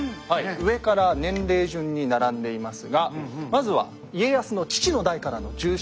上から年齢順に並んでいますがまずは家康の父の代からの重臣